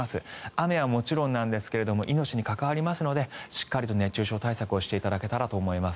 雨はもちろん命に関わりますのでしっかりと熱中症対策をしていただけたらと思います。